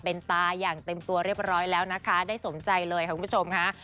เป็นตาอย่างเต็มตัวเรียบร้อยแล้วนะคะได้สมใจเลยค่ะคุณผู้ชมค่ะ